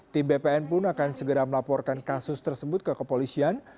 tim bpn pun akan segera melaporkan kasus tersebut ke kepolisian